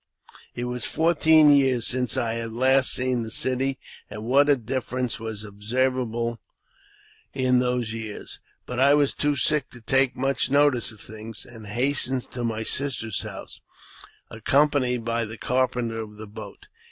It was fourteen years since I had last seen the city, and | what a difference was observable in those few years ! But I l\ was too sick to take much notice of things, and hastened to my sister's house, accompanied by the carpenter of the boat.